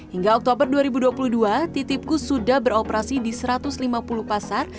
hingga oktober dua ribu dua puluh dua titipkus sudah beroperasi di satu ratus lima puluh pasar